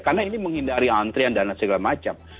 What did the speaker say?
karena ini menghindari antrian dan segala macam